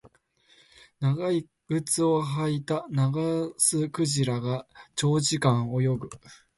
長靴を履いたナガスクジラが長時間泳ぐ